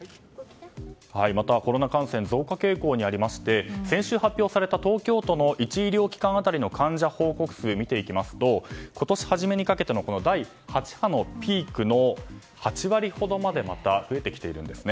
またコロナ感染は増加傾向にありまして先週発表された東京都の１医療機関当たりの患者報告数は今年初めにかけての第８波のピークの８割ほどまでまた増えてきているんです。